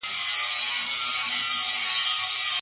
چا ویلي دي چي ښځي ارزښت نه لري؟